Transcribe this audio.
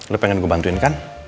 lo pengen gue bantuin kan